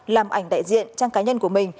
làm ảnh đại diện trang cá nhân của mình